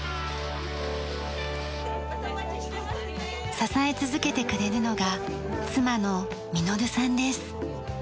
支え続けてくれるのが妻の稔さんです。